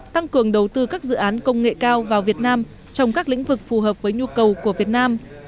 tăng cường đầu tư các dự án công nghệ cao vào việt nam trong các lĩnh vực phù hợp với nhu cầu của việt nam